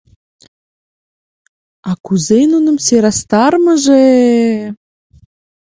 А кузе нуным сӧрастарымыже!